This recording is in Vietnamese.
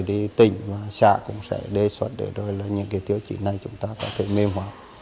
thì tỉnh và xã cũng sẽ đề xuất để rồi là những cái tiêu chí này chúng ta có thể mềm hóa